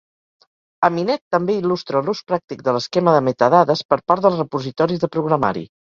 Aminet també il·lustra l'ús pràctic de l'esquema de metadades per part dels repositoris de programari.